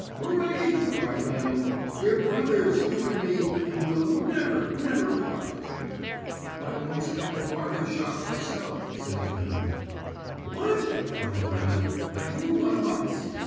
"'Hooray!' cried Lemon, 'we're brothers, you and me, and we'll never, never part.' "'I once kep a barber's shop myself,' said Devlin. "'What!' cried Lemon, 'are you one of us?'